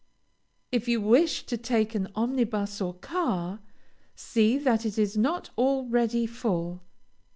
If you wish to take an omnibus or car, see that it is not already full.